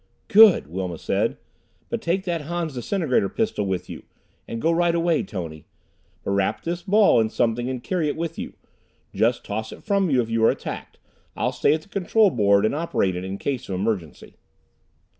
"Good!" Wilma said. "But take that Han's disintegrator pistol with you. And go right away, Tony. But wrap this ball in something and carry it with you. Just toss it from you if you are attacked. I'll stay at the control board and operate it in case of emergency."